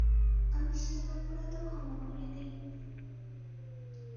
আমি সেই অপরাধও ক্ষমা করে দেই।